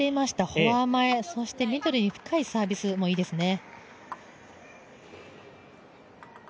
フォア前、そしてミドルに深いサービスもいいですね。